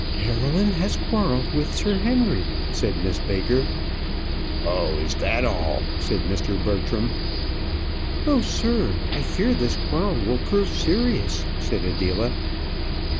"Caroline has quarrelled with Sir Henry," said Miss Baker. "Oh, is that all?" said Mr. Bertram. "Ah, sir; I fear this quarrel will prove serious," said Adela.